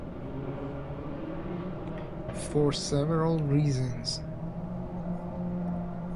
For several reasons.